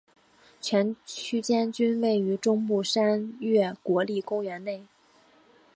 全区间均位于中部山岳国立公园内。